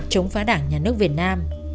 chống phá đảng nhà nước việt nam